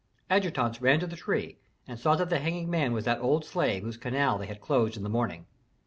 Adjutants ran to the tree, and saw that the hanging man was that old slave whose canal they had closed in the morning.